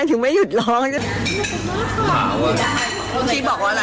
โหจะพูดอะไร